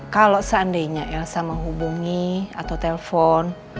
kalau seandainya elsa menghubungi atau telpon